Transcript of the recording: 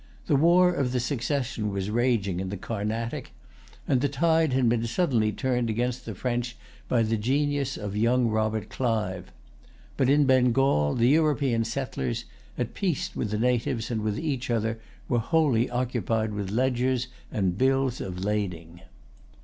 The war of the succession was raging in the Carnatic; and the tide had been suddenly turned against the French by the genius of young Robert Clive. But in Bengal the European settlers, at peace with the natives and with each other, were wholly occupied with ledgers and bills of lading.